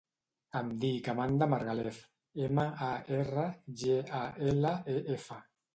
Em dic Amanda Margalef: ema, a, erra, ge, a, ela, e, efa.